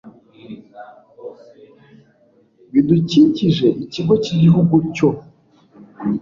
bidukikije ikigo cy igihugu cyo